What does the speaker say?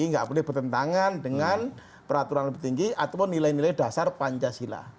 tidak boleh bertentangan dengan peraturan lebih tinggi atau nilai nilai dasar pancasila